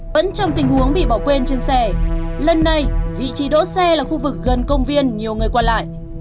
vẫn trong tình huống bị bỏ quên trên xe lần nay vị trí đỗ xe là khu vực gần công viên nhiều người qua lại